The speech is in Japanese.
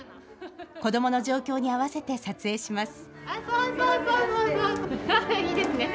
子どもの状況に合わせて撮影します。